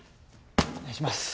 お願いします。